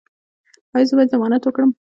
ایا زه باید ضمانت وکړم؟